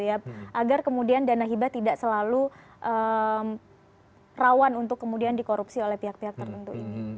agar kemudian dana hibah tidak selalu rawan untuk kemudian dikorupsi oleh pihak pihak tertentu ini